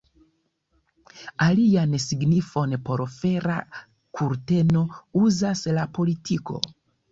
Alian signifon por fera kurteno uzas la politiko.